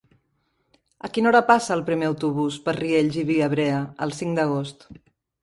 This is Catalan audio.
A quina hora passa el primer autobús per Riells i Viabrea el cinc d'agost?